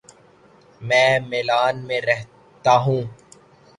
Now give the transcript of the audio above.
میں میلان میں رہتا ہوں